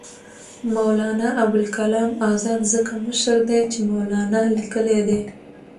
مولنا ابوالکلام آزاد ځکه مشر دی چې مولنا لیکلی دی.